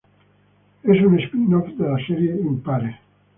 Es un spin-off de la serie "Impares".